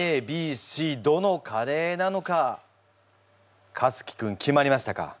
どのカレーなのかかつき君決まりましたか？